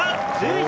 −１１！